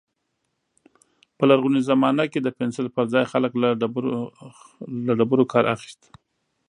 په لرغوني زمانه کې د پنسل پر ځای خلک له ډبرو کار اخيست.